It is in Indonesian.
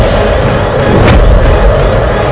dan menghentikan raiber